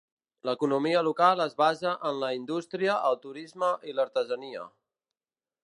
L'economia local es basa en la indústria, el turisme i l'artesania.